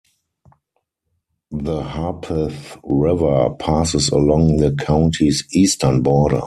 The Harpeth River passes along the county's eastern border.